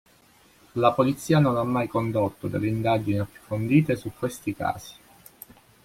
La polizia non ha mai condotto delle indagini approfondite su questi casi.